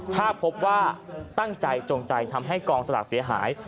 ถ้าพบว่าตั้งใจจงใจทำให้กองสลากเสียหาย